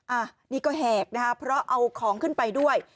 อันนี้ก็แหกนะคะเพราะเอาของขึ้นไปด้วย